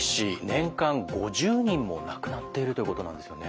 年間５０人も亡くなっているということなんですよね。